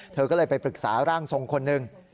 เธอก็เลยไปปรึกษาร่างทรงคนหนึ่ง